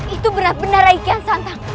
itu benar benar rai kian santang